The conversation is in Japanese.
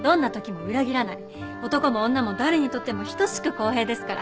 男も女も誰にとっても等しく公平ですから。